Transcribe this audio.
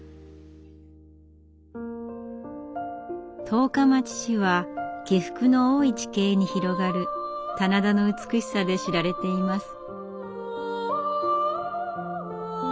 十日町市は起伏の多い地形に広がる棚田の美しさで知られています。